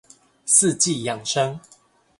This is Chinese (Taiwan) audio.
四季養生